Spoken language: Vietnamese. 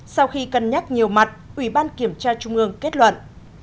sau khi cân nhắc nhiều mặt ủy ban kiểm tra trung ương kết luận